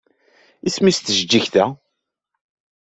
Isem-nnes tjejjigt-a?